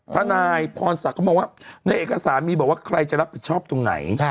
ทนายพรศักดิ์ก็มองว่าในเอกสารมีบอกว่าใครจะรับผิดชอบตรงไหน